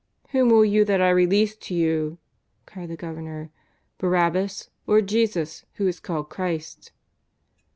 " Whom will you that I release to you," cried the Governor, " Barabbas, or Jesus who is called Christ